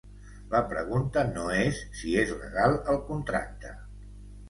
La pregunta no és si és legal el contracte.